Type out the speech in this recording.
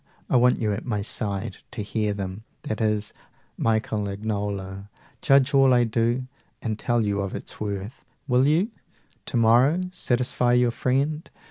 I want you at my side To hear them that is, Michel Agnolo Judge all I do and tell you of its worth. Will you? Tomorrow, satisfy your friend.